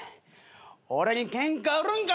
俺にケンカ売るんか。